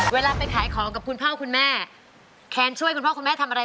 เป็นยังไงน้องว่ามหักปาถือกกับดักหักกว้าใจ